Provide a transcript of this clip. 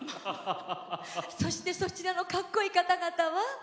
そちらのかっこいい方々は？